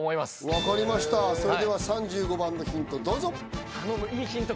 分かりましたそれでは３５番のヒントどうぞ頼むいいヒント